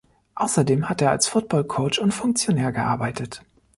Außerdem hat er als Football-Coach und Funktionär gearbeitet.